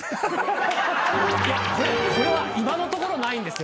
これは今のところないんですよ。